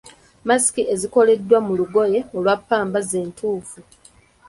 Masiki ezikoleddwa mu lugoye olwa ppamba z'entuufu.